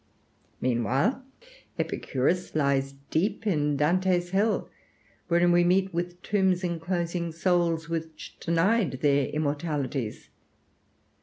Meanwhile, Epicurus lies deep in Dante's hell, wherein we meet with tombs inclosing souls which denied their immortalities.